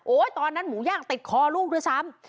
ตอนนั้นหมูย่างติดคอลูกด้วยซ้ำ